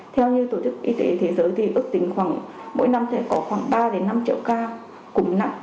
theo như tổ chức y tế thế giới thì ước tính mỗi năm có khoảng ba năm triệu ca cúm nặng